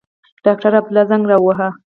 ډاکټر عبدالله زنګ را ووهه.